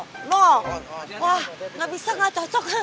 wah enggak bisa enggak cocok